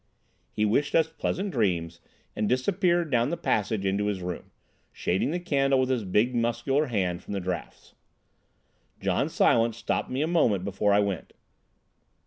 He wished us pleasant dreams and disappeared down the passage into his room, shading the candle with his big muscular hand from the draughts. John Silence stopped me a moment before I went.